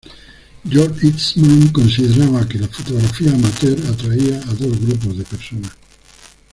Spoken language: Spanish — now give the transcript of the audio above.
George Eastman consideraba que la fotografía "amateur" atraía a dos grupos de personas.